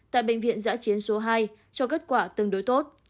tại bệnh viện giã chiến số hai cho kết quả tương đối tốt